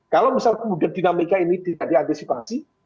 kalau misal kemudian dinamika ini tidak diantisipasi